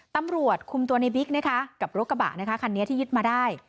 ตำรวจคุมตัวในบิ๊กนะคะกับรถกระบะนะคะคันนี้ที่ยึดมาได้